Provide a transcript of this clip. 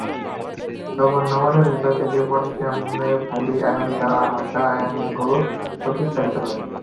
তখন লবণের ভেতর থেকে পটাশিয়ামের ভারী আয়ন দ্বারা হালকা আয়নগুলো প্রতিস্থাপিত হয়।